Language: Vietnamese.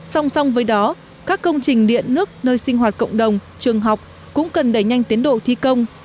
song song với đó các công trình điện nước nơi sinh hoạt cộng đồng trường học cũng cần đẩy nhanh tiến độ thi công